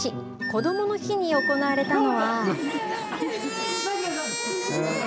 こどもの日に行われたのは。